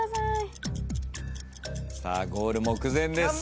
さあゴール目前です。